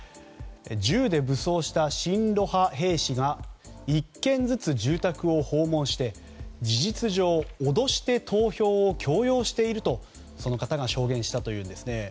銃で武装した親ロシア派兵士が１軒ずつ住宅を訪問して事実上、脅して投票を強要しているとその方が証言したというんですね。